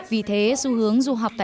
vì thế xu hướng du học